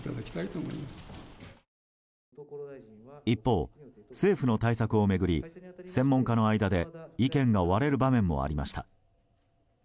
一方、政府の対策を巡り専門家の間で意見が割れる場面もありました。